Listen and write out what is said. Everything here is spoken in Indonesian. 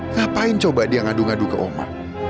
ngapain coba dia ngadu ngadu ke omar